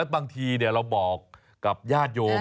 บางทีเนี่ยเราก็บอกกับแย่ดโยม